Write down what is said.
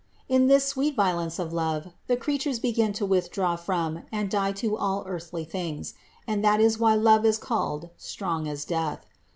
179. In this sweet violence of love the creature begins to withdraw from and die to all earthly things; and that is why love is called strong as death.